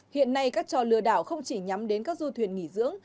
hiện nay các trò lừa đảo không chỉ nhắm đến các du thuyền nghỉ dưỡng